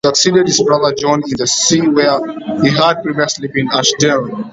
He succeeded his brother John in the see where he had previously been archdeacon.